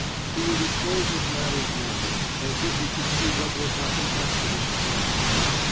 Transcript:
He will dispose of matters now, as if he could see what will happen after his departure.